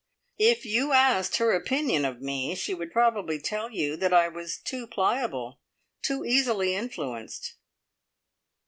If you asked her opinion of me, she would probably tell you that I was too pliable too easily influenced."